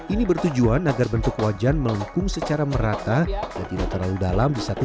ini bertujuan agar bentuk wajan melengkung secara merata dan tidak terlalu dalam disatukan